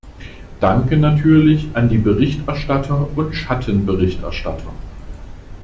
Danke natürlich an die Berichterstatter und Schattenberichterstatter.